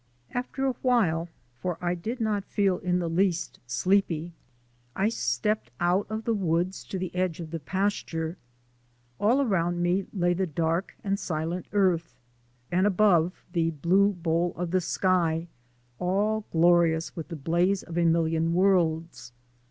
After a while, for I did not feel in the least sleepy, I stepped out of the woods to the edge of the pasture. All around me lay the dark and silent earth, and above the blue bowl of the sky, all glorious with the blaze of a million worlds.